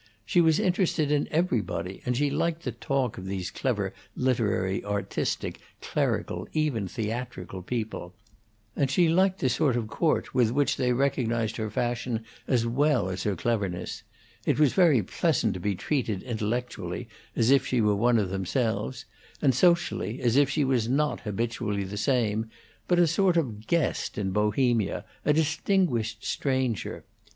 She was interested in everybody, and she liked the talk of these clever literary, artistic, clerical, even theatrical people, and she liked the sort of court with which they recognized her fashion as well as her cleverness; it was very pleasant to be treated intellectually as if she were one of themselves, and socially as if she was not habitually the same, but a sort of guest in Bohemia, a distinguished stranger.